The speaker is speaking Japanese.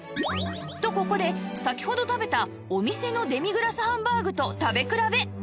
とここで先ほど食べたお店のデミグラスハンバーグと食べ比べ